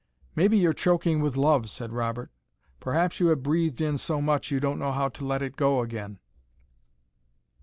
"Maybe you're choking with love," said Robert. "Perhaps you have breathed in so much, you don't know how to let it go again.